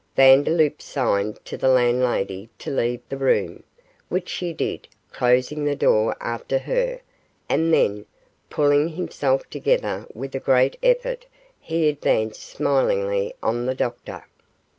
Vandeloup signed to the landlady to leave the room, which she did, closing the door after her, and then, pulling himself together with a great effort, he advanced smilingly on the doctor.